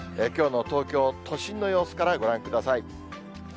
きょうの東京都心の様子からご覧ください。